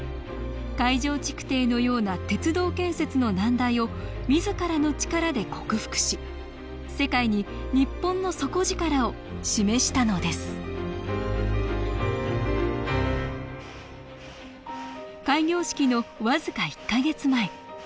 海上築堤のような鉄道建設の難題を自らの力で克服し世界に日本の底力を示したのです開業式の僅か１か月前。